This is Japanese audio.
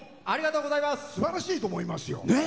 すばらしいと思いますよ。